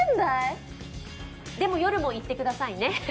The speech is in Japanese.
でも夜も行ってくださいね。